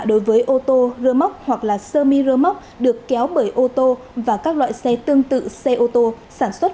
đối với ô tô rơ móc hoặc là sơ mi rơ móc được kéo bởi ô tô và các loại xe tương tự xe ô tô sản xuất